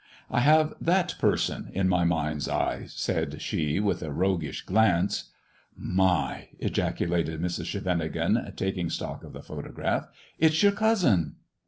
'' I have that person in my mind's eye," said she, with a roguish glance. " My !" ejaculated Mrs. Scheveningen, taking stock of the photograph. " It's your cousin